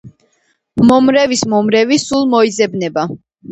მომრევის მომრევი სულ მოიძებნება